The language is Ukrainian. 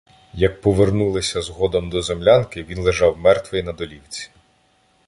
Як повернулися згодом до землянки, він лежав мертвий на долівці.